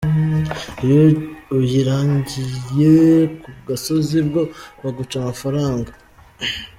Iyo uyiragiye ku gasozi bwo baguca amafaranga,.